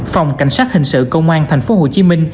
phòng cảnh sát hình sự công an tp hcm